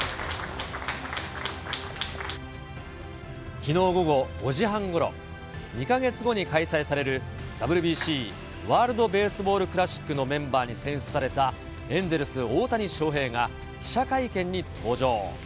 きのう午後５時半ごろ、２か月後に開催される、ＷＢＣ・ワールドベースボールクラシックのメンバーに選出された、エンゼルス、大谷翔平が記者会見に登場。